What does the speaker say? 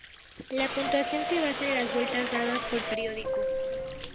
La puntuación se basa en las vueltas dadas por período.